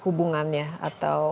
hubungannya atau penyebabnya